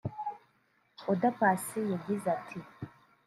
Oda Paccy yagize ati